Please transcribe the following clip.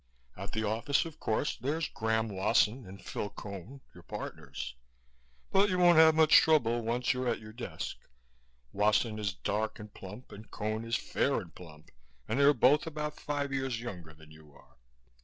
At the office, of course, there's Graham Wasson and Phil Cone, your partners, but you won't have much trouble once you're at your desk. Wasson is dark and plump and Cone is fair and plump and they're both about five years younger than you are."